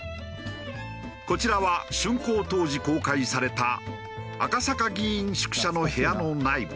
こちらは竣工当時公開された赤坂議員宿舎の部屋の内部。